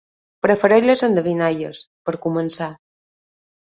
Prefereix les endevinalles, per començar.